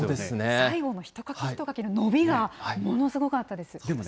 最後のひとかきひとかきの伸びがものすごかったです。